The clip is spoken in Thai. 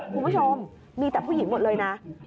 คุณผู้ชมมีแต่ผู้หญิงหมดเลยนะ